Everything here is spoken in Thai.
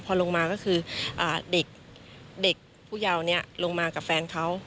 พอลงมาก็คือเด็กผู้เยาว์นี้ลงมากับแฟนเขา